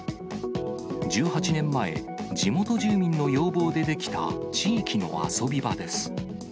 １８年前、地元住民の要望で出来た、地域の遊び場です。